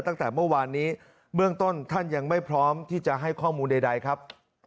ตั้งแต่เมื่อวานนี้เบื้องต้นท่านยังไม่พร้อมที่จะให้ข้อมูลใดครับ